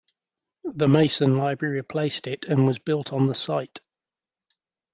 The Mason Library replaced it and was built on the site.